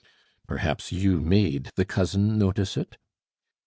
"Perhaps you made the cousin notice it?"